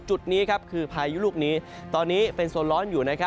จุดนี้คือพายุลูกนี้ตอนนี้เป็นส่วนร้อนอยู่